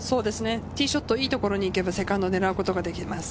ティーショット、いい所に行けば、セカンドを狙うことができます。